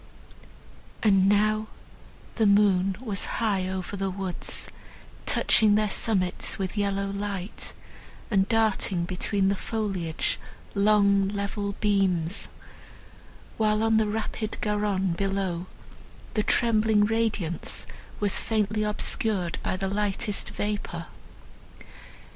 And now the moon was high over the woods, touching their summits with yellow light, and darting between the foliage long level beams; while on the rapid Garonne below the trembling radiance was faintly obscured by the lightest vapour.